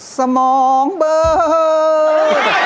สมองเบลอ